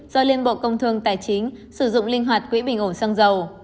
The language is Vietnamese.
do liên bộ công thương tài chính sử dụng linh hoạt quỹ bình ổn xăng dầu